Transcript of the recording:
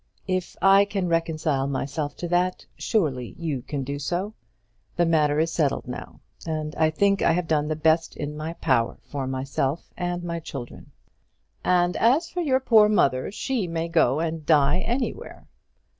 "If I can reconcile myself to that, surely you can do so. The matter is settled now, and I think I have done the best in my power for myself and my children." "And as for your mother, she may go and die anywhere."